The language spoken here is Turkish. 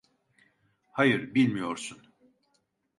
Hayır, bilmiyorsun.